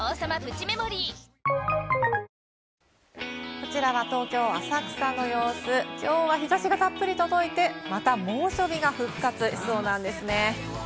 こちらは東京・浅草の様子、きょうは日差しがたっぷり届いて、また猛暑日が復活しそうなんですね。